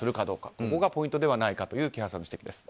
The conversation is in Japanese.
ここがポイントではないかという清原さんの指摘です。